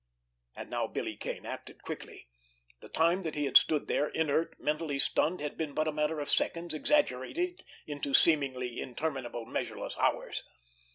And now Billy Kane acted quickly. The time that he had stood there, inert, mentally stunned, had been but a matter of seconds exaggerated into seemingly interminable, measureless hours.